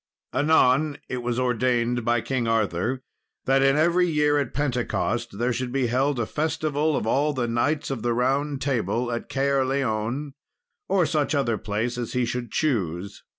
Anon it was ordained by King Arthur, that in every year at Pentecost there should be held a festival of all the knights of the Round Table at Caerleon, or such other place as he should choose.